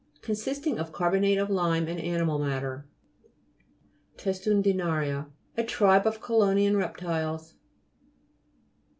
Consisting of carbonate of lime and animal matter. TESTUDINA'RIA A tribe of chelonian reptiles.